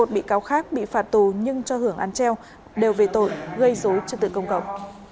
một mươi một bị cáo khác bị phạt tù nhưng cho hưởng ăn treo đều về tội gây dối trừ tự công cộng